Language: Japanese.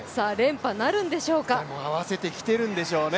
でも合わせてきてるんでしょうね。